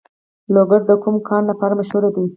لوګر د کوم کان لپاره مشهور دی؟